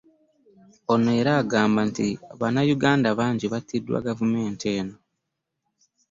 Ono era agamba nti Bannayuganda bangi battiddwa gavumenti eno